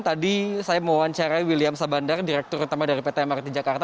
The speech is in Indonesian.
tadi saya mewawancarai william sabandar direktur utama dari pt mrt jakarta